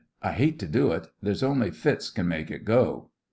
"I hate to do it: there's only Fitz can make it go."